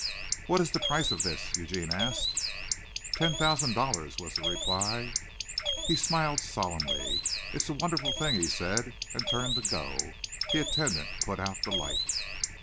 "What is the price of this?" Eugene asked. "Ten thousand dollars," was the reply. He smiled solemnly. "It's a wonderful thing," he said, and turned to go. The attendant put out the light.